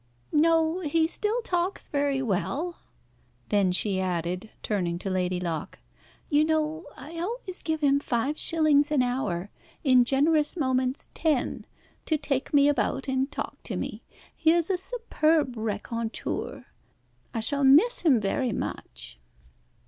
"No, he still talks rather well." Then she added, turning to Lady Locke, "You know I always give him five shillings an hour, in generous moments ten, to take me about and talk to me. He is a superb raconteur. I shall miss him very much."